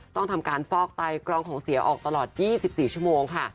ต้องทำการฟอกไตกรองของเสียออกตลอด๒๔ชั่วโมงค่ะ